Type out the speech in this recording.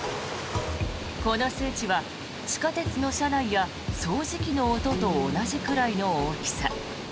この数値は地下鉄の車内や掃除機の音と同じくらいの大きさ。